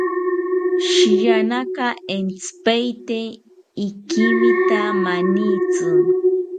Psihiyanaka entzipaete ikimita manitzi